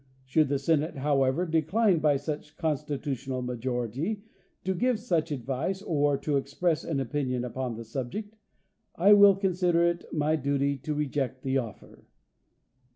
Should the Senate, however, decline by such constitutional majority to give such advice or to express an opinion upon the subject, I will consider it my duty to reject the offer.